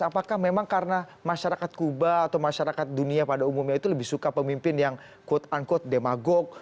apakah memang karena masyarakat kuba atau masyarakat dunia pada umumnya itu lebih suka pemimpin yang quote unquote demagog